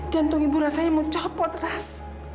jantung ibu rasanya mau copot ras